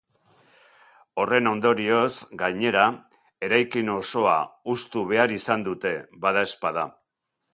Horren ondorioz, gainera, eraikin osoa hustu behar izan dute, badaezpada.